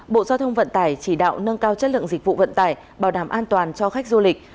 bộ giao thông vận tải chỉ đạo nâng cao chất lượng dịch vụ vận tải bảo đảm an toàn cho khách du lịch